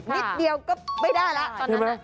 นิดเดียวก็ไม่ได้แล้ว